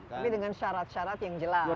tapi dengan syarat syarat yang jelas